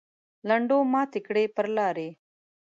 لنډو ماتې کړې پر لارې.